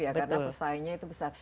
karena pesaingnya itu besar